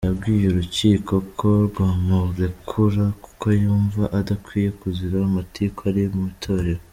Yabwiye urukiko ko rwamurekura kuko yumva adakwiye kuzira amatiku ari mu itorero.